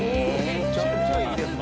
むちゃくちゃいいですね。